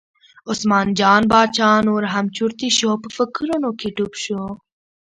عثمان جان باچا نور هم چرتي شو او په فکرونو کې ډوب شو.